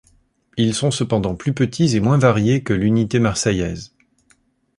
Ils sont cependant plus petits et moins variés que l'unité Marseillaise.